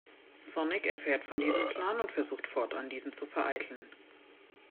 Sonic erfährt von diesem Plan und versucht fortan, diesen zu vereiteln.